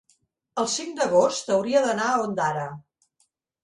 El cinc d'agost hauria d'anar a Ondara.